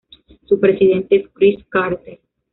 Su presidente es Chris Carter.